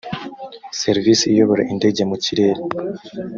serivisi iyobora indege mu kirere